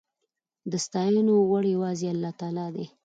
د ستاينو وړ يواځې الله تعالی دی